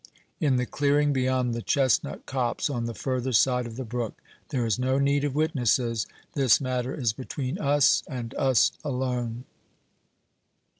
"In the clearing beyond the chestnut copse on the further side of the brook. There is no need of witnesses; this matter is between us and us alone!"